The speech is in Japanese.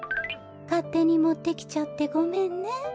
かってにもってきちゃってごめんね。